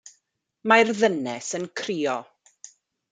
Mae'r ddynes yn crio.